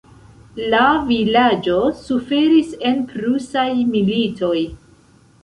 La vilaĝo suferis en Prusaj militoj.